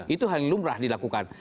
itu hal yang lumrah dilakukan